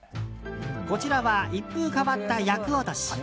こちらは一風変わった厄落とし。